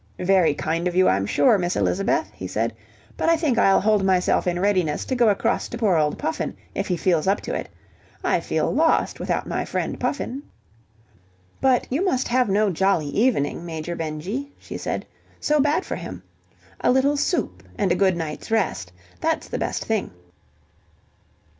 "Very kind of you, I'm sure, Miss Elizabeth," he said, "but I think I'll hold myself in readiness to go across to poor old Puffin, if he feels up to it. I feel lost without my friend Puffin." "But you must have no jolly evening, Major Benjy," she said. "So bad for him. A little soup and a good night's rest. That's the best thing.